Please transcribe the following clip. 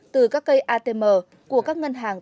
từ các cây atm của các ngân hàng